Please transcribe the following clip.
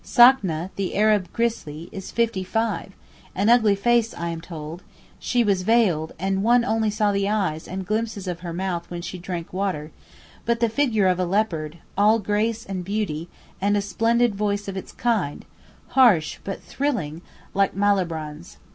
Sakna, the Arab Grisi, is fifty five—an ugly face, I am told (she was veiled and one only saw the eyes and glimpses of her mouth when she drank water), but the figure of a leopard, all grace and beauty, and a splendid voice of its kind, harsh but thrilling like Malibran's.